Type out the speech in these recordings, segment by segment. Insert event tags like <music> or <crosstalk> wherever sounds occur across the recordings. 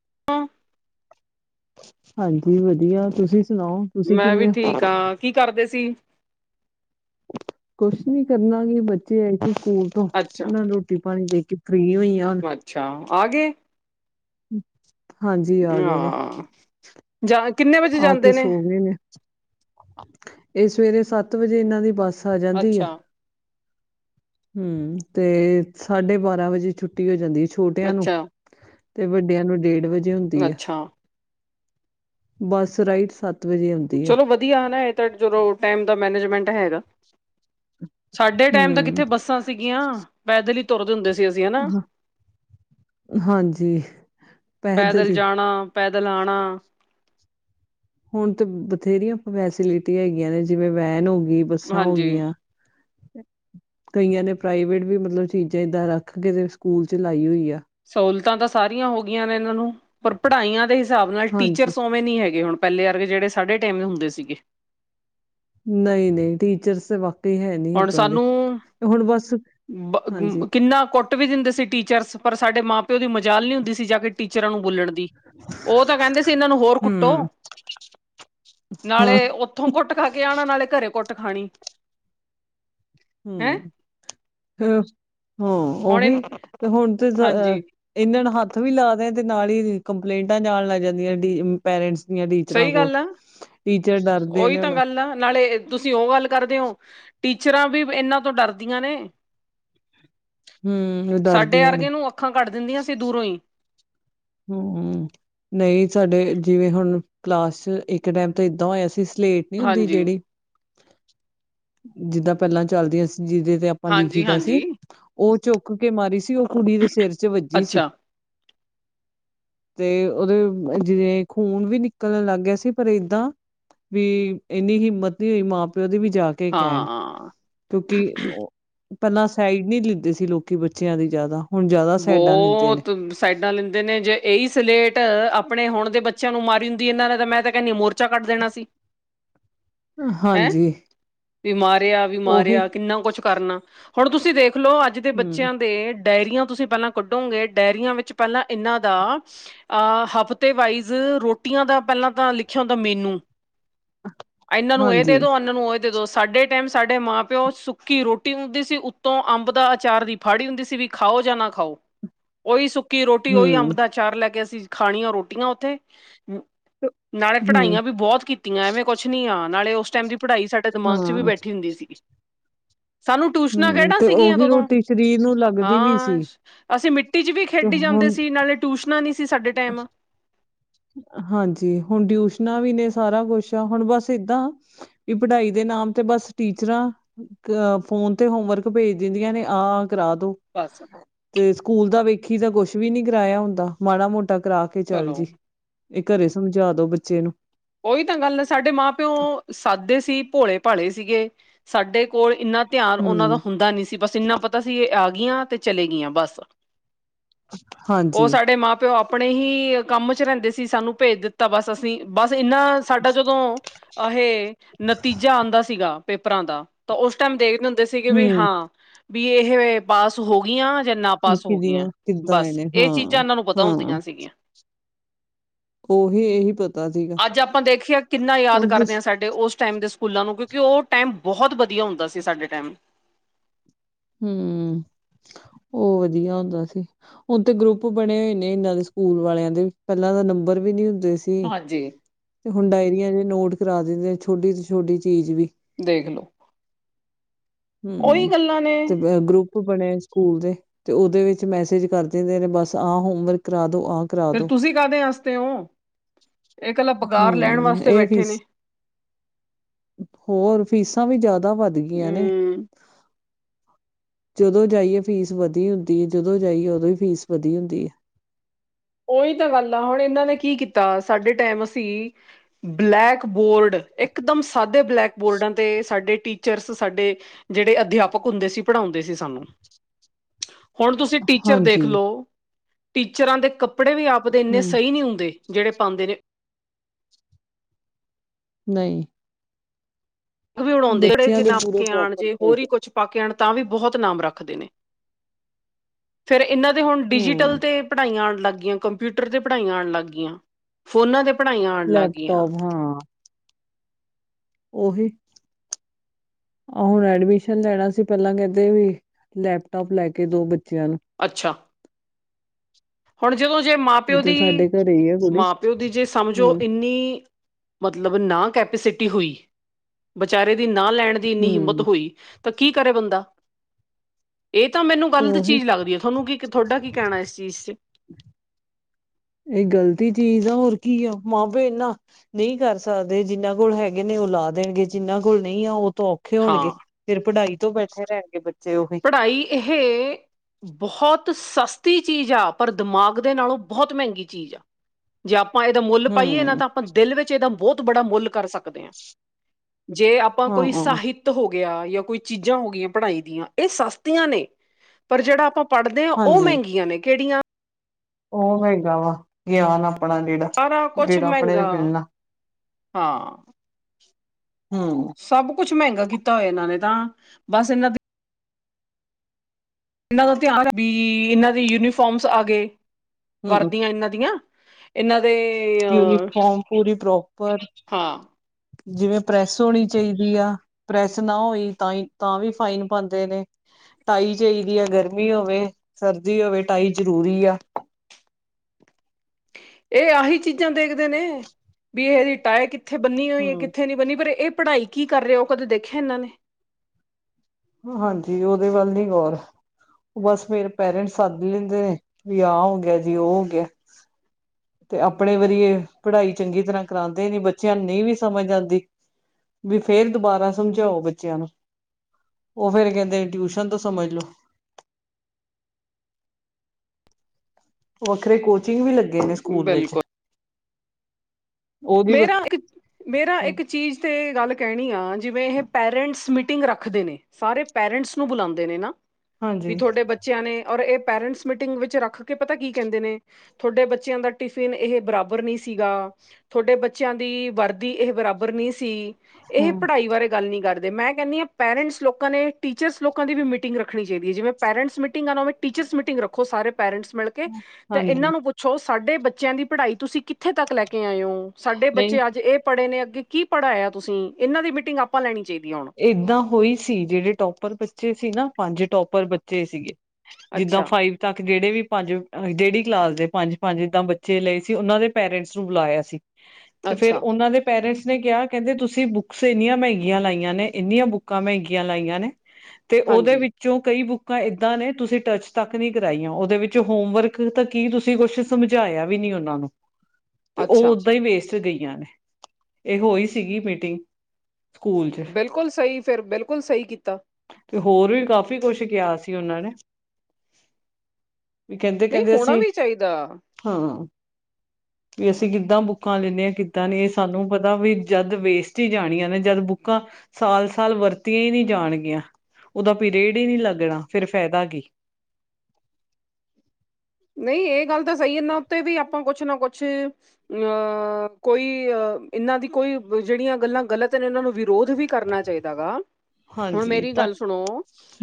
<unintelligible> ਹਾਂਜੀ ਵਧੀਆ। ਤੁਸੀਂ ਸੁਣਾਓ? ਤੁਸੀਂ ਮੈਂ ਵੀ ਕਿਵੇਂ ਹੋ ਠੀਕ ਹਾਂ। ਕੀ ਕਰਦੇ ਸੀ? ਕੁਛ ਨੀ ਕਰਨਾ ਕੀ ਬੱਚੇ ਆਏ ਸੀੇ ਸਕੂਲ ਤੋਂ ਅੱਛਾ ਉਹਨਾਂ ਨੂੰ ਰੋਟੀ ਪਾਣੀ ਦੇ ਕੇ ਫਰੀ ਹੋਈ ਆ ਅੱਛਾ ਆ ਗਏ <unintelligible> ਹਾਂਜੀ ਆ ਗਏ ਨੇ <unintelligible> ਜਾਂ ਕਿੰਨੇ ਵ ਆ ਕੇ ਸੋ ਗਏ ਨੇ। <unintelligible> ਇਹ ਸਵੇਰੇ ਸੱਤ ਵਜੇ ਇਹਨਾਂ ਦੀ ਬੱਸ ਆ ਜਾਂਦੀ ਆ। ਅੱਛਾ ਹੂੰ ਤੇ ਸਾਢੇ ਬਾਰਾਂ ਵਜੇ ਛੁੱਟੀ ਹੋ ਜਾਂਦੀ ਛੋਟਿਆਂ ਨੂੰ, ਅੱਛਾ ਤੇ ਵੱਡਿਆਂ ਨੂੰ ਡੇਢ ਵਜੇ ਹੁੰਦੀ ਆ। ਅੱਛਾ ਬੱਸ ਰਾਈਟ ਸੱਤ ਵਜੇ ਆਉਂਦੀ ਆ। ਚਲੋ ਵਧੀਆ ਨਾ ਇਹ ਤਾਂ, ਜਦੋ ਟਾਈਮ ਦਾ ਮੈਨੇਜਮੈਂਟ ਹੈਗਾ। ਸਾਡੇ ਟਾਈਮ ਤਾਂ ਹੂੰ ਕਿੱਥੇ ਬੱਸਾਂ ਸੀਗੀਆਂ, ਪੈਦਲ ਈ ਤੁਰਦੇ ਹੁੰਦੇ ਸੀ ਅਸੀਂ, ਹਨਾ? ਹ- ਹਾਂਜੀ, ਪੈਦਲ ਈ। ਪੈਦਲ ਆਣਾ ਹੁਣ ਤੇ ਬਥੇਰੀਆਂ ਫੈਸਿਲਿਟੀ ਹੈਗੀਆਂ ਨੇ, ਜਿਵੇਂ ਵੈਨ ਹੋ ਗੀ, ਬੱਸਾਂ ਹੋ ਹਾਂਜੀ ਗਿਆਂ <inaudible> ਕਈਆਂ ਨੇ ਪ੍ਰਾਈਵੇਟ ਵੀ, ਮਤਲਬ ਚੀਜ਼ਾਂ ਏਦਾਂ ਰੱਖ ਕੇ, ਜਿਵੇਂ ਸਕੂਲ 'ਚ ਲਾਈ ਹੋਈ ਆ! ਸਹੂਲਤਾਂ ਤਾਂ ਸਾਰੀਆਂ ਹੋ ਗੀਆਂ ਨੇ ਇਨਾਂ ਨੂੰ, ਪਰ ਪੜ੍ਹਾਈਆਂ ਦੇ ਹਿਸਾਬ ਨਾਲ ਹਾਂਜੀ, ਟੀਚਰਸ ਉਵੇਂ ਨੀ ਹੈਗੇ ਹੁਣ। ਪਹਿਲੇ ਅਰਗੇ ਜੇੜੇ ਸਾਡੇ ਟੈਮ ਦੇ ਹੁੰਦੇ ਸੀਗੇ ਨਈ, ਨਈ ਟੀਚਰ ਸ ਵਕ ਹੁਣ ਸਾਨੂੰ ਬ ਹਾਂਜੀ ਕਿੰਨਾ ਕੁੱਟ ਕੁੱਟ ਵੀ ਦਿੰਦੇ ਸੀ ਟੀਚਰਸ, ਪਰ ਸਾਡੇ ਮਾਂ-ਪਿਓ ਦੀ ਮਜ਼ਾਲ ਨੀ ਹੁੰਦੀ ਸੀ ਜਾ ਕੇ ਟੀਚਰਾਂ ਨੂੰ ਬੋਲਣ ਦੀ! ਓ ਤਾਂ ਕੈਂਦੇ ਸੀ ਇਨਾਂ ਨੂੰ ਹੋਰ ਕੁੱਟੋ ਹੂੰ ਹਾਂ ਨਾਲੇ ਉੱਥੋਂ ਕੁੱਟ ਖਾ ਕੇ ਆਣਾ, ਨਾਲੇ ਘਰੇ ਕੁੱਟ ਖਾਣੀ। ਹੈ ਹਮ, ਹਾਂ ਹੁਣ ਓਹੀ ਇਹ- ਤੇ ਹੁਣ ਤੇ ਹਾਂਜੀ ਇਨਾਂ ਨੂੰ ਹੱਥ ਵੀ ਲਾ ਦੇਣ ਤੇ ਨਾਲ ਈ ਕੰਪਲੇਂਟਾਂ ਜਾਣ ਲੱਗ ਜਾਂਦੀਆਂ ਡੀ ਪੇਰੈਂਟਸ ਦੀਆਂ ਟੀਚਰਾਂ ਸਹੀ ਕੋਲ, ਗੱਲ ਆ ਟੀਚਰ ਡਰਦੇ ਉਹੀ ਨੇ ਤਾਂ ਹੁਣ। ਗੱਲ ਨਾਲੇ ਤੁਸੀਂ ਓ ਗੱਲ ਕਰਦੇ ਓ, ਟੀਚਰਾਂ ਵੀ ਵ ਇਨਾਂ ਤੋਂ ਡਰਦੀਆਂ ਨੇ! ਹਮ-ਹਮ, ਸਾਡੇ ਡਰਦੀਆਂ ਨੇ। ਵਰਗੇ ਨੂੰ ਅੱਖਾਂ ਕੱਢ ਦਿੰਦੀਆਂ ਸੀ ਦੂਰੋਂ ਈ। ਹਮਮ। ਨਈ, ਸਾਡੇ ਜਿਵੇਂ ਹੁਣ ਕਲਾਸ 'ਚ ਇੱਕ ਟਾਈਮ ਤਾਂ ਏਦਾਂ ਹੋਇਆ ਸੀ, ਸਲੇਟ ਨੀ ਹੁੰਦੀ ਹਾਂਜੀ ਜੇੜੀ ਜਿੱਦਾਂ ਪੇਲਾਂ ਚੱਲਦੀਆਂ ਸੀ, ਜਿਦੇ ਤੇ ਆਪ ਆਪਾਂ ਲਿਖੀ ਹਾਂਜੀ ਦਾ ਹਾਂਜੀ ਸੀ, ਓ ਚੁੱਕ ਕੇ ਮਾਰੀ ਸੀ, ਓ ਕੁੜੀ ਦੇ ਸਿਰ 'ਚ ਵੱਜੀ ਸੀ। ਅੱਛਾ ਤੇ ਓਦੋਂ ਜਿਵੇਂ ਖੂਨ ਵੀ ਨਿਕਲਣ ਲੱਗ ਗਿਆ ਸੀ, ਪਰ ਏਦਾਂ ਵੀ ਇੰਨੀ ਹਿੰਮਤ ਨੀ ਹੋਈ ਮਾਂ-ਪਿਓ ਦੀ ਵੀ ਜਾ ਕੇ ਕਹਿਣ, ਹਾਂ ਕਿਉਂਕਿ ਪੇਲਾਂ ਸਾਈਡ ਨੀ ਲੈਂਦੇ ਸੀ ਲੋਕੀ ਬੱਚਿਆਂ ਦੀ ਜਾਦਾ, ਹੁਣ ਜਾਦਾ ਸਾਈਡਾਂ ਲੈਂਦੇ ਨੇ। ਬਹੁਤ ਸਾਈਡਾਂ ਲੈਂਦੇ ਨੇ! ਜੇ ਇਹੀ ਸਲੇਟ ਆਪਣੇ ਹੁਣ ਦੇ ਬੱਚਿਆਂ ਨੂੰ ਮਾਰੀ ਹੁੰਦੀ ਇਨਾਂ ਨੇ, ਤਾਂ ਮੈਂ ਤਾਂ ਕੇਨੀ ਆਂ ਮੋਰ ਚਾ ਕੱਢ ਦੇਣਾ ਸੀ। ਹੈਂ ਹਾਂਜੀ। ਵੀ ਮਾਰਿਆ ਵੀ ਉਹੀ ਮਾਰਿਆ, ਕਿੰਨਾ ਕੁਛ ਕਰਨਾ, ਹੁਣ ਤੁਸੀਂ ਦੇਖਲੋ ਵੀ ਅੱਜ ਦੇ ਹੂੰ ਬੱਚਿਆਂ ਦੇ ਡੇਰੀਆਂ ਤੁਸੀਂ ਪਹਿਲਾਂ ਕਡੋਂਗੇ, ਡੇਰੀਆਂ ਵਿੱਚ ਪਹਿਲਾਂ ਇਨਾਂ ਦਾ ਆ ਹਫਤੇ ਵਾਈਜ਼ ਰੋਟੀਆਂ ਦਾ ਪੈਲਾਂ ਤਾਂ ਲਿਖਿਆ ਹੁੰਦਾ ਮੇਨੂੰ ਇਨਾਂ ਨੂੰ ਐ ਹਾਂਜੀ ਦੇ ਦੋ, ਉਨਾਂ ਨੂੰ ਓ ਜਦੋ ਸਾਡੇ ਟੈਮ ਸਾਡੇ ਮਾਂ-ਪਿਓ ਸੁੱਕੀ ਰੋਟੀ ਹੁੰਦੀ ਸੀ, ਉੱਤੋਂ ਅੰਬ ਦਾ ਅਚਾਰ ਦੀ ਫਾੜੀ ਹੁੰਦੀ ਸੀ ਵੀ ਖਾਓ ਜਾ ਨਾ ਖਾਓ, ਓਈ ਸੁੱਕੀ ਰੋਟੀ, ਓਈ ਹੂੰ ਅੰਬ ਦਾ ਅਚਾਰ ਲੈ ਕੇ ਅਸੀਂ ਖਾਣੀਆਂ ਰੋਟੀਆਂ ਉੱਥੇ। ਨਾਲੇ ਹੂੰ ਪੜ੍ਹਾਈਆਂ ਵੀ ਬੌਤ ਕੀਤੀਆਂ, ਐਵੇਂ ਕੁਛ ਨੀ ਆ, ਨਾਲੇ ਓਸ ਟੈਮ ਦੀ ਪੜ੍ਹਾਈ ਸਾ ਡੇ ਦਿਮਾਗ 'ਚ ਵੀ ਹਾਂ ਬੈਠੀ ਹੁੰਦੀ ਸੀਗੀ। ਸਾਨੂੰ ਟਿਊਸ਼ਨਾਂ ਹੂੰ ਕੇੜਾ ਤੇ ਸੀਗੀਆਂ ਉਹੀ ਓਦੋਂ, ਰੋਟੀ ਸਰੀਰ ਨੂੰ ਲੱਗਦੀ ਵੀ ਹਾਂ। ਸੀ ਅਸੀਂ ਮਿੱਟੀ 'ਚ ਵੀ ਤੇ ਖੇਡੀ ਜਾਂਦੇ ਹੁਣ ਸੀ, ਨਾਲੇ ਟੂਸ਼ਨਾਂ ਨੀ ਸੀ ਸਾਡੇ ਟੈਮ। ਹਾਂਜੀ, ਹੁਣ ਟਿਊਸ਼ਨਾਂ ਵੀ ਨੇ, ਸਾਰਾ ਕੁਛ ਆ, ਹੁਣ ਬਸ ਏਦਾਂ ਏ ਪੜ੍ਹਾਈ ਦੇ ਨਾਮ ਤੇ ਬਸ ਟੀਚਰਾਂ <unintelligible> ਫੋਨ ਤੇ ਹੋਮਵਰਕ ਭੇਜ ਦਿੰਦੀਆਂ ਨੇ ਆਹ ਕਰਾ ਦੋ ਬਸ ਤੇ ਸਕੂਲ ਦਾ ਵੇਖੀ ਦਾ ਕੁੱਛ ਵੀ ਨੀ ਕਰਾਇਆ ਹੁੰਦਾ ਮਾੜਾ ਮੋਟਾ ਕਰਾ ਕੇ ਚੱਲ ਚਲੋ ਜੀ ਐ ਘਰੇ ਸਮਝਾ ਦੋ ਬੱਚੇ ਨੂੰ ਓਈ ਤਾਂ ਗੱਲ ਏ ਸਾਡੇ ਮਾਂ ਪਿਓ ਸਾਦੇ ਸੀ ਭੋਲੇ ਭਾਲੇ ਸੀਗੇ ਸਾਡੇ ਕੋਲ ਇੰਨਾ ਧਿਆਨ ਉਨਾਂ ਹੂੰ ਦਾ ਹੁੰਦਾ ਨੀ ਸੀ ਬਸ ਇੰਨਾ ਪਤਾ ਸੀ ਇਹ ਆ ਗੀਆਂ ਤੇ ਚਲੇ ਗਈਆਂ ਬਸ ਉਹ ਹਾਂਜੀ ਸਾਡੇ ਮਾਂ ਪਿਓ ਆਪਣੇ ਹੀ ਕੰਮ ਚ ਰੈਂਦੇ ਸੀ ਸਾਨੂੰ ਭੇਜ ਦਿੱਤਾ ਬਸ ਅਸੀਂ ਬਸ ਇੰਨਾ ਸਾਡਾ ਜਦੋਂ ਅਹੇ ਨਤੀਜਾ ਆਉਂਦਾ ਸੀਗਾ ਪੇਪਰਾਂ ਦਾ ਤਾਂ ਉਸ ਟਾਈਮ ਦੇਖਦੇ ਹੁੰਦੇ ਸੀਗੇ ਵੀ ਹੂੰ ਹਾਂ ਬੀ ਏਹੇ ਪਾਸ ਹੋ ਗਈਆਂ ਜਾਂ ਨਾ ਪਾਸ ਹੋ ਗਈਆਂ ਕਿਦੀਆਂ ਕਿੱਦਾਂ ਆਏ ਬਸ ਨੇ ਇਹ ਚੀਜ਼ਾਂ ਹਾਂ ਇਹਨਾਂ ਨੂੰ ਪਤਾ ਹਾਂ ਹੁੰਦੀਆਂ ਸੀਗੀਆਂ ਉਹੀ ਇਹੀ ਪ ਅੱਜ ਆਪਾਂ ਦੇਖੀਏ ਕਿੰਨਾ ਯਾਦ ਤੇ। ਕਰਦੇ ਹਾਂ ਸਾ ਉਸ ਟਾਈਮ ਦੇ ਸਕੂਲਾਂ ਨੂੰ ਕਿਉਂਕਿ ਉਹ ਟਾਈਮ ਬਹੁਤ ਵਧੀਆ ਹੁੰਦਾ ਸੀ ਸਾਡੇ ਟਾਈਮ ਹਮ ਉਹ ਵਧੀਆ ਹੁੰਦਾ ਸੀ ਹੁਣ ਤੇ ਗਰੁੱਪ ਬਣੇ ਹੋਏ ਨੇ ਇਹਨਾਂ ਦੇ ਸਕੂਲ ਵਾਲਿਆਂ ਦੇ ਪਹਿਲਾਂ ਦਾ ਨੰਬਰ ਵੀ ਨੀ ਹੁੰਦੇ ਸੀ। ਸੀ ਹਾਂਜੀ ਤੇ ਹੁਣ ਡਾਇਰੀਆਂ ਚ ਨੋਟ ਕਰਾ ਦਿੰਦੇ ਛੋਟੀ ਤੋਂ ਛੋਟੀ ਚੀਜ ਵੀ ਦੇਖ ਲੋ ਹਮ ਗੱਲਾਂ ਨੇ ਤੇ <unintelligible> ਗਰੁੱਪ ਪ ਬਣੇ ਸਕੂਲ ਦੇ ਤੇ ਉਹਦੇ ਚ ਮੈਸੇਜ ਕਰਦੇ ਦਿੰਦੇ ਨੇ ਬਸ ਆਹ ਹੋਮਵਰਕ ਕਰਾ ਦੋ ਆਹ ਕਰਾ ਫਿਰ ਦੋ ਤੁਸੀਂ ਕਾਦੇ ਆਂਸਤੇ ਹੋ ਇਹ ਇਕੱਲਾ ਪਗਾਰ ਲੈਣ ਹੂੰ ਵਾਸਤੇ ਇਹ ਬੈਠੇ ਨੇ ਫੀਸ ਹੋਰ ਫੀਸਾਂ ਵੀ ਜ਼ਿਆਦਾ ਵੱਧ ਗਈਆਂ ਨੇ ਹਮ ਜਦੋਂ ਜਾਈਏ ਫੀਸ ਵਧੀ ਹੁੰਦੀ ਹੈ ਜਦੋਂ ਜਾਈਏ ਉਦੋਂ ਵੀ ਫੀਸ ਵਧੀ ਹੁੰਦੀ ਹੈ ਉਹੀ ਤਾਂ ਗੱਲ ਆ ਹੁਣ ਇਹਨਾਂ ਨੇ ਕੀ ਕੀਤਾ ਸਾਡੇ ਟਾਈਮ ਅਸੀਂ ਬਲੈਕ ਬੋਰਡ <unintelligible> ਇਕਦਮ ਸਾਦੇ ਬਲੈਕ ਬੋਰਡਾਂ ਤੇ ਸਾਡੇ ਟੀਚ ਚਰਜ਼ ਸਾਡੇ ਜਿਹੜੇ ਅਧਿਆਪਕ ਹੁੰਦੇ ਸੀ ਪੜ੍ਹਾਉਂਦੇ ਸੀ ਸਾਨੂੰ ਹੁਣ ਤੁਸੀਂ ਟੀਚਰ ਦੇਖ ਹਾਂਜੀ ਲਓ ਟੀਚਰਾਂ ਦੇ ਕੱਪ ਕੱਪੜੇ ਆਪਦੇ ਇੰਨੇ ਹੂੰ ਸਹੀ ਨਹੀ ਹੁੰਦੇ ਜਿਹੜੇ ਪਾਉਂਦੇ ਨੇ ਨਹੀਂ ਬੱਚਿਆਂ ਦੇ ਪੂਰੇ <unintelligible> ਆਉਣ ਪ੍ਰੋਪਰ ਚ ਹੋਰ ਹੀ ਚਾਹੀਦੇ ਕੁੱਛ ਪਾ ਕੇ ਆਉਣ ਤਾਂ ਵੀ ਬਹੁਤ ਨਾਮ ਰਾੱਖਦੇ ਨੇ ਫੇਰ ਇਹਨਾਂ ਦੇ ਹੁਣ ਡਿਜੀਟਲ ਹੂੰ ਤੇ ਪੜ੍ਹਾਈਆਂ ਆਉਣ ਲੱਗ ਗਈਆਂ ਕੰਪਿਊਟਰ ਤੇ ਪੜ੍ਹਾਈਆਂ ਆਉਣ ਲੱਗ ਗਈਆਂ ਫੋਨਾਂ ਤੇ ਪੜ੍ਹਾਈਆਂ ਆਉਣ ਲੱਗ ਗਈਆਂ ਲੈਪਟੋਪ ਹਾਂ ਉਹੀ ਆਹ ਹੁਣ ਐਡਮਿਸ਼ਨ ਲੈਣਾ ਸੀ ਪਹਿਲਾਂ ਕਹਿੰਦੇ ਵੀ ਲੈਪਟੋਪ ਲੈ ਕੇ ਦੋ ਬੱਚਿਆਂ ਨੂੰ ਅੱਛਾ ਹੁਣ ਜਦੋਂ ਜੇ ਮਾਂ ਪਿਓ ਜਿੱਦਾਂ ਦੀ ਸਾਡੇ ਘਰੇ ਹੀ ਆ ਕੁੜੀ ਮਾਂ ਪਿਓ ਦੀ ਜੇ ਸਮਝੋ ਹੂੰ ਇੰਨੀ ਮਤਲਬ ਨਾ ਕੈਪੇਸਿਟੀ ਹੋਈ ਬਚਾਰੇ ਦੀ ਨਾ ਲੈਣ ਦੀ ਇੰਨੀ ਹਿੰਮਤ ਹੂੰ ਹੋਈ ਤਾਂ ਕੀ ਕਰੇ ਬੰਦਾ ਇਹ ਤਾਂ ਮੈਨੂੰ ਤੇ ਗ਼ਲਤ ਉਹੀ ਚੀਜ਼ ਲੱਗਦੀ ਹੈ ਤੁਹਾਨੂੰ ਕੀ ਕ ਤੁਹਾਡਾ ਕੀ ਕਹਿਣਾ ਇਸ ਚੀਜ਼ ਚ ਇਹ ਗ਼ਲਤ ਹੀ ਚੀਜ ਆ ਹੋਰ ਕੀ ਆ ਮਾਂ ਪਿਓ ਇਹਨਾਂ ਨਹੀਂ ਕਰ ਸਕਦੇ ਜਿੰਨਾਂ ਕੋਲ ਹੈਗੇ ਨੇ ਉਹ ਲਾ ਦੇਣਗੇ ਜਿੰਨਾਂ ਕੋਲ ਨਹੀਂ ਆ ਉਹਤੋਂ ਔਖੇ ਹੋਣਗੇ ਹਾਂ ਫੇਰ ਪੜ੍ਹਾਈ ਤੋਂ ਬੈਠੇ ਰਹਿਣਗੇ ਬੱਚੇ ਉਹੀ ਭਾਈ ਏਹੇ ਬਹੁਤ ਸਸਤੀ ਚੀਜ ਆ ਪਰ ਦਮਾਗ ਦੇ ਨਾਲੋਂ ਬਹੁਤ ਮਹਿੰਗੀ ਚੀਜ ਆ ਜੇ ਆਪਾਂ ਇਹਦਾ ਮੁੱਲ ਪਾਈਏ ਨਾ ਹੂੰ ਤਾਂ ਆਪਾਂ ਦਿਲ ਵਿੱਚ ਇਹਦਾ ਬਹੁਤ ਬੜਾ ਮੁੱਲ ਕਰ ਸਕ ਦੇਖਦੇ ਹਾ, ਜੇ ਆਪਾਂ ਹਾਂ ਕੋਈ ਹਾਂ ਸਾਹਿਤ ਹੋ ਗਿਆ ਜਾਂ ਕੋਈ ਚੀਜ਼ਾਂ ਹੋ ਗਈਆਂ ਪੜ੍ਹਾਈ ਦੀਆਂ ਇਹ ਸਸਤੀਆਂ ਨੇ ਪਰ ਜਿਹੜਾ ਆਪਾਂ ਪੜ੍ਹਦੇ ਹਾਂ ਉਹ ਹਾਂਜੀ ਮਹਿੰਗੀਆਂ ਨੇ ਕਿਹੜੀਆਂ ਉਹ ਹੈਗਾ ਵਾ ਗਿਆਨ ਆਪਣਾ ਜਿਹੜਾ। ਸਾਰਾ ਕੁਛ ਜਿਹੜਾ ਆਪਣੇ ਮਹਿੰਗਾ, ਨੂੰ ਮਿਲਣਾ ਹਾਂ। ਹੂ ਸਭ ਕੁਛ ਮਹਿੰਗਾ ਕੀਤਾ ਹੋਇਆ ਇਹਨਾਂ ਨੇ ਤਾਂ, ਬਸ ਇਹਨਾਂ ਦਾ ਇਨਾਂ ਦਾ ਧਿਆਨ ਵੀ ਇਹਨਾਂ ਦੇ ਯੂਨੀਫੋਮਜ ਆ ਗੇ ਹੂੰ ਵਰਦੀਆਂ ਇਨਾਂ ਦੀਆਂ। ਇਹਨਾਂ ਦੇ ਅ ਯੂਨੀਫੋਮ ਪੂਰੀ ਪ੍ਰੋਪਰ ਹਾਂ ਜਿਵੇਂ ਪ੍ਰੈਸ ਹੋਣੀ ਚਾਹੀਦੀ ਆ। ਪ੍ਰੈਸ ਨਾ ਹੋਈ ਤਾਂ ਹੀ, ਤਾਂ ਵੀ ਫਾਈਨ ਪਾਉਂਦੇ ਨੇ। ਟਾਈ ਚਾਹੀਦੀ ਆ, ਗਰਮੀ ਹੋਵੇ ਸਰਦੀ ਹੋਵੇ ਟਾਈ ਜ਼ਰੂਰੀ ਆ। ਇਹ ਆਹੀ ਚੀਜ਼ਾਂ ਦੇਖਦੇ ਨੇ, ਵੀ ਇਹਦੀ ਟਾਈ ਕਿੱਥੇ ਬੰਨੀ ਹੋਈ ਹੈ ਹੂੰ। ਕਿੱਥੇ ਨੀ ਬਨੀ, ਪਰ ਇਹ ਪੜ੍ਹਾਈ ਕੀ ਕਰ ਰਹੇ, ਉਹ ਕਦੇ ਦੇਖਿਆ ਇਹਨਾਂ ਨੇ। ਹਾਂਜੀ, ਉਹਦੇ ਵੱਲ ਨੀ ਗੌਰ। ਬਸ ਫਿਰ ਪੈਰੈਂਟਸ ਸੱਦ ਲੈਂਦੇ ਨੇ, ਵੀ ਆਹ ਹੋ ਗਿਆ ਜੀ ਉਹ ਹੋ ਗਿਆ। ਤੇ ਆਪਣੇ ਵਾਰੀ ਏ, ਪੜ੍ਹਾਈ ਚੰਗੀ ਤਰ੍ਹਾਂ ਕਰਾਉਂਦੇ ਨੀ ਬੱਚਿਆਂ ਨੂੰ ਨਹੀਂ ਵੀ ਸਮਝ ਆਉਂਦੀ ਵੀ ਫੇਰ ਦੁਬਾਰਾ ਸਮਝਾਓ ਬੱਚਿਆਂ ਨੂੰ। ਉਹ ਫੇਰ ਕਹਿੰਦੇ ਨੇ ਟਿਊਸ਼ਨ ਤੋਂ ਸਮਝ ਲੋੋ। ਵੱਖਰੇ ਕੋਚਿੰਗ ਵੀ ਲੱਗੇ ਨੇ ਸਕੂਲ ਵਿੱਚ। ਬਿਲਕੁਲ ਉਹਦੀ ਵ ਮੇਰਾ ਇੱਕ ਮੇਰਾ ਇੱਕ ਚੀਜ਼ ਤੇ ਏ ਗੱਲ ਕਹਿਣੀ ਆ, ਜਿਵੇਂ ਇਹ ਪੇਰੈਂਟਸ ਮੀਟਿੰਗ ਰੱਖਦੇ ਨੇ ਸਾਰੇ ਪੇਰੈਂਟਸ ਨੂੰ ਬੁਲਾਉਂਦੇ ਨੇ ਨਾ, ਹਾਂਜੀ ਵੀ ਤੁਹਾਡੇ ਬੱਚੇ ਬਚਿਆਂ ਨੇ, ਔਰ ਇਹ ਪੇਰੈਂਟਸ ਮੀਟਿੰਗ ਵਿੱਚ ਰੱਖ ਕੇ ਪਤਾ ਕੀ ਕਹਿੰਦੇ ਨੇ ਤੁਹਾਡੇ ਬੱਚਿਆਂ ਦਾ ਟਿਫਿਨ, ਇਹ ਬਰਾਬਰ ਨਹੀਂ ਸੀਗਾ। ਤੁਹਾਡੇ ਬੱਚਿਆਂ ਦੀ ਵਰਦੀ ਇਹ ਬਰਾਬਰ ਨਹੀਂ ਸੀ, ਹੂੰ ਇਹ ਪੜ੍ਹਾਈ ਬਾਰੇ ਗੱਲ ਨਹੀਂ ਕਰਦੇ, ਮੈਂ ਕਹਿੰਦੀ ਹਾਂ ਪੇਰੈਂਟਸ ਲੋਕਾਂ ਨੇ ਟੀਚਰਸ ਲੋਕਾਂ ਦੀ ਵੀ ਮੀਟਿੰਗ ਰੱਖਣੀ ਚਾਹੀਦੀ ਹੈ, ਜਿਵੇਂ ਪੈਰੈਂਟਸ ਮੀਟਗ ਆ ਨਾ ਉਵੇਂ ਟੀਚਰਸ ਮੀਟਿੰਗ ਰੱਖੋ ਸਾਰੇ ਪੇਰੈਂਟਸ ਮਿਲ ਕੇ ਤੇ ਹਾਂਜੀ। ਇਹਨਾਂ ਨੂੰ ਪੁੱ ਪੁਛੋ ਸਾਡੇ ਬੱਚਿਆਂ ਦੀ ਪੜ੍ਹਾਈ ਤੁਸੀਂ ਕਿੱਥੇ ਤੱਕ ਲੈ ਕੇ ਆਏ ਓੰ, ਸਾਡੇ ਨਹੀਂ ਬੱਚੇ ਅੱਜ ਇਹ ਪੜ੍ਹੇ ਨੇ ਅੱਗੇ ਕੀ ਪੜ੍ਹਾਇਆ ਤੁਸੀਂ, ਇਹਨਾਂ ਦੀ ਮੀਟਿੰਗ ਆਪਾਂ ਲੈਣੀ ਚਾਹੀਦੀ ਆ ਹੁਣ। ਏਦਾਂ ਹੋਈ ਸੀ, ਜਿਹੜੇ ਟੌਪਰ ਬੱਚੇ ਸੀ ਨਾ ਪੰਜ ਟੌਪਰ ਬੱਚੇ ਸੀਗੇ। ਜਿੱਦਾਂ ਅੱਛਾ ਫਾਈਵ ਤੱਕ ਜਿਹੜੇ ਵੀ ਪੰਜ, ਜਿਹੜੀ ਕਲਾਸ ਦੇ ਪੰਜ -ਪੰਜ ਇੱਦਾਂ ਬੱਚੇ ਲਏ ਸੀ, ਉਹਨਾਂ ਦੇ ਪੇਰੈਂਟਸ ਨੂੰ ਬੁਲਾਇਆ ਸੀ। ਤੇ ਫਿਰ ਅੱਛਾ ਉਹਨਾਂ ਦੇ ਪੇਰੈਂਟਸ ਨੇ ਕਿਹਾ ਕਹਿੰਦੇ, ਤੁਸੀਂ ਬੁਕਸ ਲਇੰਨੀਆਂ ਮਹਿੰਗੀਆਂ ਲਾਈਆਂ ਨੇ ਇੰਨੀਆਂ ਬੁੱਕਾਂ ਮਹਿੰਗੀਆਂ ਲਾਈਆਂ ਨੇ, ਤੇ ਉਹਦੇ ਹਾਂਜੀ ਵਿੱਚ ਚੋਂ ਕਈ ਬੁੱਕਾਂ ਏਦਾਂ ਨੇ ਤੁਸੀਂ ਟੱਚ ਤੱਕ ਨਹੀਂ ਕਰਾਈਆਂ, ਉਹਦੇ ਵਿੱਚ ਹੋਮਵਰਕ ਤਾਂ ਕੀ ਤੁਸੀਂ ਕੁਛ ਸਮਝਾਇਆ ਵੀ ਨੀ, ਉਹਨਾਂ ਨੂੰ। <inaudible> ਤੇ ਉਹ ਓਦਾਂ ਹੀ ਵੇਸਟ ਗਈਆਂ ਨੇ, ਇਹ ਹੋਈ ਸੀਗੀ ਮੀਟਿੰਗ ਸਕੂਲ 'ਚ ਬਿਲਕੁਲ ਸਹੀ, ਫਿਰ ਬਿਲਕੁਲ ਸਹੀ ਕੀਤਾ। ਤੇ ਹੋਰ ਵੀ ਕਾਫੀ ਕੁਛ ਕਿਹਾ ਸੀ ਉਹਨਾਂ ਨੇ। ਵੀ ਕਹਿੰਦੇ - ਨਹੀਂ ਕਹਿੰਦੇ ਹੋਣਾ ਅਸੀਂ ਵੀ ਚਾਹੀਦਾ ਹਾਂ। ਵੀ ਅਸੀਂ ਕਿੱਦਾਂ ਬੁੱਕਾਂ ਲੈਂਨੇ ਆਂ, ਕਿੱਦਾਂ ਨੀ ਇਹ ਸਾਨੂੰ ਪਤਾ ਵੀ ਜਦ ਵੇਸਟ ਹੀ ਜਾਣੀਆਂ ਨੇ, ਜਦ ਬੁੱਕਾਂ ਸਾਲ -ਸਾਲ ਵਰਤੀਆਂ ਹੀ ਨਹੀਂ ਜਾਣਗੀਆਂ, ਉਹਦਾ ਪੀਰੀਅਡ ਹੀ ਨਹੀਂ ਲੱਗਣਾ ਫਿਰ ਫਾਇਦਾ ਕੀ। ਨਹੀਂ, ਇਹ ਗੱਲ ਤਾਂ ਸਹੀ ਇਹਨਾਂ ਉੱਤੇ ਵੀ ਆਪਾਂ ਕੁਛ ਨਾ ਕੁਛ ਅ ਅਹ ਕੋਈ ਇਹਨਾਂ ਦੀ ਕੋਈ ਜਿਹੜੀਆਂ ਗੱਲਾਂ ਗਲਤ ਨੇ, ਇਹਨਾਂ ਨੂੰ ਵਿਰੋਧ ਵੀ ਕਰਨਾ ਚਾਹੀਦਾ ਦਗਾ, ਹੁਣ ਹਾਂਜੀ ਮੇਰੀ ਤਾਂ ਗੱਲ ਸੁਣੋ,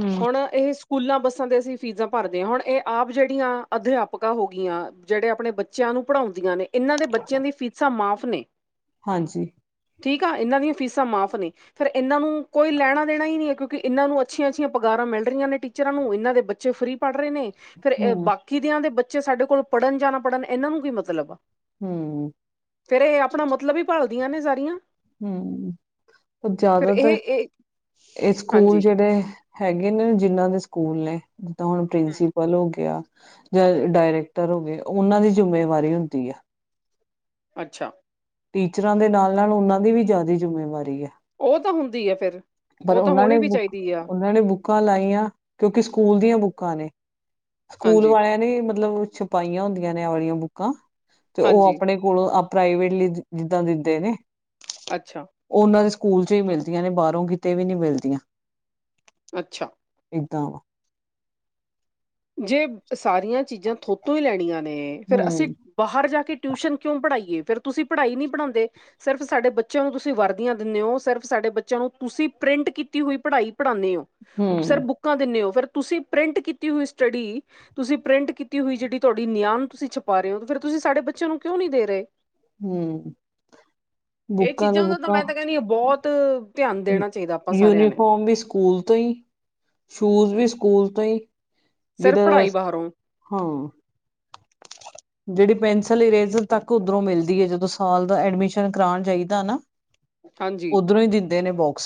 ਹਮ ਹੁਣ ਇਹ ਸ ਸਕੂਲਾਂ, ਬੱਸਾਂ ਤੇ, ਅਸੀਂ ਫੀਸਾਂ ਭਰਦੇ ਹਾਂ, ਹੁਣ ਇਹ ਆਪ ਜਿਹੜੀਆਂ ਅਧਿਆਪਕਾਂ ਹੋ ਗਈਆਂ, ਜਿਹੜੇ ਆਪਣੇ ਬੱਚਿਆਂ ਨੂੰ ਪੜ੍ਹਾਉਂਦੀਆਂ ਨੇ, ਇਹਨਾਂ ਦੇ ਬੱਚਿਆਂ ਦੀ ਫੀਸਾਂ ਮਾਫ਼ ਨੇ ਹਾਂਜੀ। ਠੀਕ ਆ, ਇਹਨਾਂ ਦੀਆਂ ਫੀਸਾਂ ਮਾਫ਼ ਨੇ ਫਿਰ ਇਹਨਾਂ ਨੂੰ ਕੋਈ ਲੈਣਾ -ਦੇਣਾ ਹੀ ਨਈ ਐ, ਕਿਉਂਕਿ, ਇਹਨਾਂ ਨੂੰ ਅੱਛੀਆਂ-ਅੱਛੀਆਂ ਪਗਾਰਾਂ, ਮਿਲ ਰਹੀਆਂ ਨੇ ਟੀ ਚਰਾਂ ਨੂੰ, ਇਹਨਾਂ ਦੇ ਬੱਚੇ ਫਰੀ ਪੜ੍ਹ ਰਹੇ ਨੇ ਫਿਰ ਇਹ ਹਮ ਬਾਕੀ ਦਿਆਂ ਦੇ ਬੱਚੇ, ਸਾਡੇ ਕੋਲ ਪੜ੍ਹਨ ਜਾਂ, ਨਾ ਪੜ੍ਹਨ ਇਹਨਾਂ ਨੂੰ ਕੀ ਮਤਲਬ ਹਮ। ਫੇਰ ਇਹ, ਆਪਣਾ ਮਤਲਬ ਹੀ, ਭਾਲਦੀਆਂ ਨੇ ਸਾਰੀਆਂ ਹਮ ਪਰ ਫਿਰ ਇਹ ਜ਼ਿਆਦਾਤਰ, ਇਹ ਇਹ ਸਕੂਲ ਹਾਂਜੀ ਜਿਹੜੇ ਹੈਗੇ ਨੇ ਜਿੰਨਾਂ ਦੇ ਸਕੂਲ ਨੇ <unintelligible> ਕਹੀ ਸੀ। <inaudible> ਪਿੰਸੀਪਲ ਹੋ ਗਿਆ ਜਾਂ ਡਾਇਰੈਕਟਰ ਹੋ ਗਿਆ, ਉਹਨਾਂ ਦੀ ਜਿੰਮੇਵਾਰੀ ਹੁੰਦੀ ਆ। ਅੱਛਾ। ਟੀਚਰਾਂ ਦੇ ਨਾਲ-ਨਾਲ ਉਨਾਂ ਦੀ ਵੀ ਜ਼ਿਆਦਾ, ਜਿੰਮੇਵਾਰੀ ਐ ਉਹ ਤਾਂ ਹੁੰਦੀ ਏ ਫਿਰ ਪਰ ਉਹ ਤਾਂ ਓਨਾਂ ਨੇ ਹੋਣੀ ਵੀ ਬੁੱਕ, ਚਾਹੀਦੀ ਆ ਉਨਾਂ ਨੇ ਬੁੱਕ ਬੁੱਕਾਂ ਲਾਈਆਂ ਕਿਉਂਕਿ, ਸਕੂਲ ਦੀਆਂ ਬੁੱਕਾਂ ਨੇ, ਸਕੂਲ ਹਾਂਜੀ ਵਾਲਿਆਂ ਨੇ ਮਤਲਬ ਪਾਈਆਂ ਹੁੰਦੀਆਂ ਨੇ ਆਪਦੀਆਂ ਬੁੱਕਾਂ, ਤੇ ਉਹ ਹਾਂਜੀ ਆਪਣੇ ਕੋਲੋਂ ਆ, ਪ੍ਰਾਈਵੇਟਲੀ ਜਿੱਦਾਂ ਦਿੰਦੇ ਨੇ ਅੱਛਾ। ਉਹ ਉਨਾਂ ਦੇ ਸਕੂਲ ਚੋਂ ਈ ਮਿਲਦੀਆਂ ਨੇ, ਬਾਹਰੋ ਕਿਤੇ ਵੀ ਨਈ ਮਿਲਦੀਆਂ ਅੱਛਾ। <unintelligible> <inaudible> ਜੇ ਸਾਰੀਆਂ ਚੀਜ਼ਾਂ ਥੋਤੋ ਈ ਲੈਣੀਆਂ ਨੇ, ਫਿਰ ਅਸੀਂ ਹੂੰ ਬਾਹਰ ਜਾ ਕੇ ਟਿਊਸ਼ਨ ਕਿਉਂ ਪੜ੍ਹਾਈਏ, ਫਿਰ ਤੁਸੀਂ ਪੜ੍ਹਾਈ ਨੀ ਪੜਾਉਂਦੇ ਸਿਰਫ ਸਾਡੇ ਬੱਚਿਆਂ ਨੂੰ ਤੁਸੀਂ ਵਰਦੀਆਂ ਦਿੰਨੇ ਓ, ਸਿਰਫ ਸਾਡੇ ਬੱਚਿਆਂ ਨੂੰ ਤੁਸੀਂ, ਪ੍ਰਿੰਟ ਕੀਤੀ ਹੋਈ ਪੜ੍ਹਾਈ ਪੜ੍ਹਾਨੇ ਓ ਸਰ ਹੂੰ ਬੁੱਕਾਂ ਦਿੰਨੇ ਓ, ਫਿਰ ਤੁਸੀਂ ਪ੍ਰਿੰਟ ਕੀਤੀ ਹੋਈ ਸਟੱਡੀ ਤੁਸੀਂ ਪ੍ਰਿੰਟ ਕੀਤੀ ਹੋਈ ਜਿਹੜੀ ਤੁਹਾਡੀ ਨਿਆਮਤ, ਤੁਸੀਂ ਛਪਾ ਰਹੇ ਓ, ਫਿਰ ਤੁਸੀਂ ਸਾਡੇ ਬੱਚਿਆ ਨੂੰ ਕਿਉਂ ਨੀ ਦੇ ਰਹੇ ਹੂੰ <inaudible> ਇਹ ਬੁੱਕਾਂ ਤੇ ਚੀਜ਼ਾਂ ਦਾ ਬੁੱਕਾਂ ਮੈਂ ਤਾਂ ਕਿਹਨੀ ਆ ਬੋਤ ਯੂਨੀਫਾਰਮ ਵੀ, ਸਕੂਲ ਤੋਂ ਈ ਸ਼ੂਜ਼ ਵੀ, ਸਕੂਲ ਤੋਂ ਈ ਸਿਰਫ ਜੇੜਾ ਪੜ੍ਹਾਈ ਬਾਹਰੋਂ ਹਾਂ। <inaudible> <inaudible> ਜਿਹੜੀ ਪੈਨਸਿਲ-ਇਰੇਜ਼ਰ ਤੱਕ ਉਧਰੋਂ ਮਿਲਦੀ ਏ। ਜਦੋਂ ਸਾਲ ਦਾ ਐਡਮਿਸ਼ਨ ਕਰਾਣ, ਜਾਈਦਾ ਨਾ ਹਾਂਜੀ ਓਧਰੋਂ ਈ ਦਿੰਦੇ ਨੇ ਬੋਕਸ,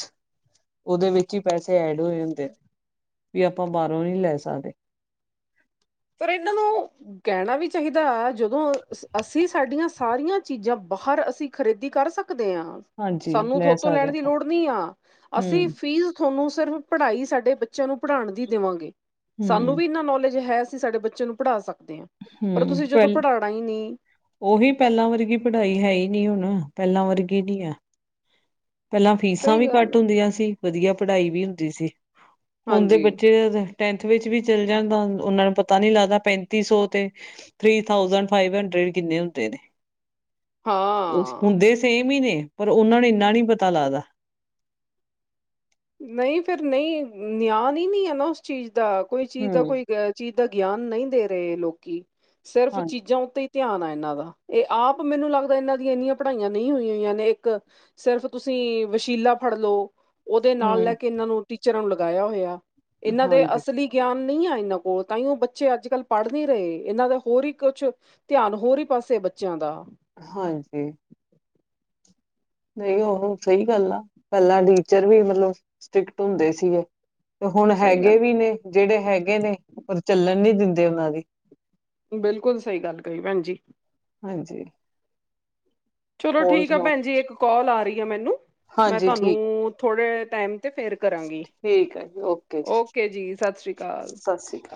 ਉਦੇ ਵਿੱਚ ਈ ਪੈਸੇ ਐਡ ਹੋ ਜਾਂਦੇ ਆਂ ਏ ਆਪਾਂ ਬਾਹਰੋਂ ਨੀ ਲੈ ਸਕਦੇ। ਫੇਰ ਏਨਾਂ ਨੂੰ ਕਹਿਣਾ ਵੀ ਚਾਹੀਦਾ ਜਦੋਂ ਅਸੀਂ ਸਾਡੀਆਂ ਸਾਰੀਆਂ ਚੀਜ਼ਾਂ ਬਾਹਰ ਅਸੀਂ ਖਰੀਦੀ ਕਰ ਸਕਦੇ ਆਂ, ਹਾਂਜੀ ਸਾਨੂੰ ਲੈ ਥੋਤੋਂ ਸਕਦੇ ਲੈਣ ਦੀ ਆਪਾਂ ਲੋੜ ਨੀ ਆ, ਅਸੀਂ ਹੂੰ ਫੀਸ ਥੋਨੂੰ ਸਿਰਫ ਪੜ੍ਹਾਈ, ਸਾਡੇ ਬੱਚਿਆਂ ਨੂੰ ਪੜ੍ਹਾਣ ਦੀ ਦੇਵਾਂਗੇ, ਸਾਨੂੰ ਹੂੰ ਵੀ ਇੰਨਾ ਨੌਲੇਜ ਹੈ ਤੁਸੀਂ ਸਾਡੇ ਬੱਚੇ ਨੂੰ ਪੜ੍ਹਾ ਸਕਦੇ ਔ, ਪਰ ਹੂੰ ਤੁਸੀਂ ਜਦੋਂ ਪਹਿ ਪੜ੍ਹਾਣਾ ਈ ਨਈ ਉਹੀ ਪਹਿਲਾ ਵਰਗੀ ਪੜ੍ਹਾਈ ਹੈ ਈ ਨਈ, ਹੁਣ ਪਹਿਲਾ ਵਰਗੀ ਨਈ ਹੈ ਪਹਿਲਾਂ ਫੀਸਾਂ ਸਹੀ ਵੀ ਗੱਲ ਘੱਟ ਆ। ਹੁੰਦੀਆਂ ਸੀ। ਵਧੀਆ ਪੜ੍ਹਾਈ ਵੀ ਹੁੰਦੀ ਸੀ। ਹੁਣ ਦੇ ਹਾਂਜੀ ਬੱਚੇ ਟੈਂਥ ਵਿੱਚ ਵੀ ਚੱਲ ਜਾਦਾ, ਉਨਾਂ ਨੂੰ ਪਤਾ ਨਈ ਲੱਗਦਾ ਪੈਂਤੀ ਸੌ ਤੇ ਥਰੀ-ਥਾਊਜੈਂਡ, ਫਾਈਵ-ਹੰਡਰਡ ਕਿੰਨੇ ਹੁੰਦੇ ਨੇ? ਹਾਂ ਹੁੰਦੇ ਸੇਮ ਈ ਨੇ, ਪਰ ਉਹਨਾਂ ਨੂੰ ਏਨਾ ਨੀ ਪਤਾ ਲੱਗਦਾ। ਨਈ ਫੇਰ ਨਈ ਨਿਆਨ ਈ ਨੀ ਨਾ ਉਸ ਚੀਜ਼ ਦਾ, ਕੋਈ ਚੀਜ਼ ਦਾ ਹੂੰ ਕੋਈ ਚੀਜ਼ ਦਾ ਗਿਆਨ ਨਹੀਂ ਦੇ ਰਹੇ ਲੋਕੀ, ਸਿਰਫ ਹਾਂ ਚੀਜ਼ਾਂ ਉੱਤੇ ਹੀ ਧਿਆਨ ਆ ਇਨਾਂ ਦਾ, ਇਹ ਆਪ ਮੈਨੂੰ ਲੱਗਦਾ ਇਨਾਂ ਦੀਆਂ ਇੰਨੀਆਂ ਪੜ੍ਹਾਈਆਂ ਨਹੀਂ ਹੋਈ ਹੋਈਆਂ ਨੇ ਇੱਕ ਸਿਰਫ਼ ਤੁਸੀਂ ਵਸ਼ੀਲਾ ਫੜ ਲਓ। ਤੇ ਨਾਲ ਲੈ ਹੂੰ ਕੇ ਇਹਨਾਂ ਨੂੰ ਟੀਚਰਾਂ ਨੂੰ ਲਗਾਇਆ ਹੋਇਆ, ਇਹਨਾਂ ਦੇ ਹਾਂਜੀ ਅਸਲੀ ਗਿਆਨ ਨਈ ਆਂ ਇਨਾਂ ਕੋਲ, ਤਾਂਇਓ ਬੱਚੇ ਅੱਜ-ਕੱਲ੍ਹ ਪੜ੍ਹ ਨੀ ਰਏ, ਇਹਨਾਂ ਦਾ ਹੀ ਹੋਰੀ ਈ ਕੁਛ ਧਿਆਨ ਹੋਰ ਈ ਪਾਸੇ ਬੱਚਿਆਂ ਦਾ। ਹਾਂਜੀ। ਨਹੀਂ ਉਹ ਸਹੀ ਗੱਲ ਆ, ਪਹਿਲਾਂ ਟੀਚਰ ਵੀ ਮਤਲਬ ਸਟ੍ਰਿੱਕਟ ਹੁੰਦੇ ਸੀਗੇ। ਤੇ ਹੁਣ ਸਹੀ ਹੈਗੇ ਗੱਲ ਵੀ ਨੇ ਜਿਹੜੇ ਹੈਗੇ ਨੇ ਉਹ ਚੱਲਣ ਨੀ ਦਿੰਦੇ ਉਹਨਾਂ ਦੀ। ਬਿਲਕੁਲ ਸਹੀ ਗੱਲ ਕਹੀ ਭੈਣ ਜੀ। ਹਾਂਜੀ। ਚਲੋ ਹੋਰ ਠੀਕ ਆ ਸੁਣਾਓ ਭੈਣ ਜੀ ਇੱਕ ਕੋਲ ਆ ਰਹੀ ਆ ਮੈਨੂੰ, ਮੈਂ ਹਾਂਜੀ ਠੀਕ ਤੁਹਾਨੂੰ ਥੋੜੇ ਟੈਮ ਤੇ ਫਿਰ ਕਰਾਂਗੀ, ਠੀਕ ਹੈ ਜੀ ਓਕੇ ਜੀ ਸਤਿ ਸ੍ਰੀ ਕਾਲ। ਸਤਿ ਸ਼੍ਰੀ ਅਕਾਲ